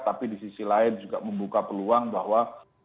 tapi di sisi lain juga membuka peluang bahwa